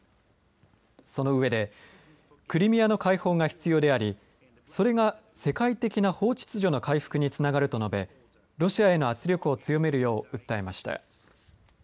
その上でクリミアの解放が必要でありそれが世界的な法秩序の回復につながると述べロシアへの圧力を強めるよう訴えました。